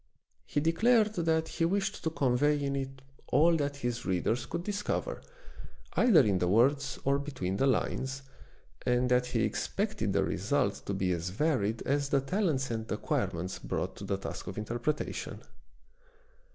He declared that he wished to convey in it all that his readers could discover, either in the words or between the lines, and that he expected the result to be as varied as the talents and acquirements brought to the task of interpretation.